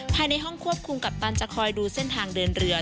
ภายในห้องควบคุมกัปตันจะคอยดูเส้นทางเดินเรือ